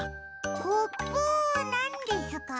コプなんですか？